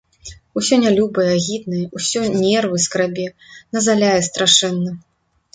Усё нялюбае, агіднае, усё нервы скрабе, назаляе страшэнна.